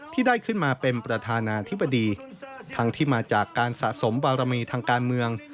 ที่ได้ขึ้นมาเป็นประธานาธิบดีทั้งที่มาจากการสะสมบารมีทางการเมือง